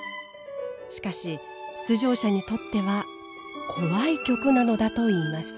しかし出場者にとっては怖い曲なのだといいます。